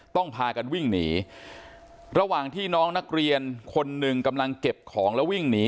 พากันวิ่งหนีระหว่างที่น้องนักเรียนคนหนึ่งกำลังเก็บของแล้ววิ่งหนี